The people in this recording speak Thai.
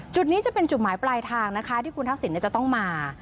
จุดนี้จะเป็นจุดหมายปลายทางนะคะที่คุณทักษิณจะต้องมา